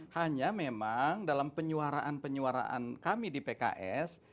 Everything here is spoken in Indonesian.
hanya memang dalam penyuaraan penyuaraan kami di pks